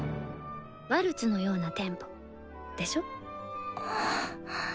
「ワルツのようなテンポ」でしょ？